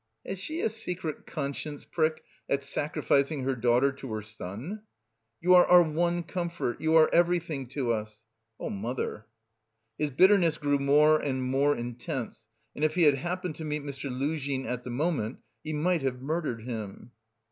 Has she a secret conscience prick at sacrificing her daughter to her son? 'You are our one comfort, you are everything to us.' Oh, mother!" His bitterness grew more and more intense, and if he had happened to meet Mr. Luzhin at the moment, he might have murdered him.